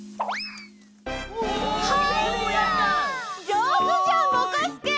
じょうずじゃんぼこすけ！